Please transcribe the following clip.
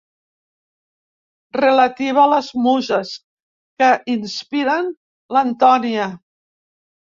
Relativa a les muses que inspiren l'Antònia.